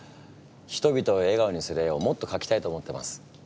人々を笑顔にする絵をもっと描きたいと思ってます。